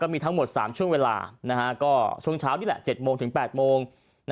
มีทั้งหมด๓ช่วงเวลาก็ช่วงเช้านี่แหละ๗โมงถึง๘โมง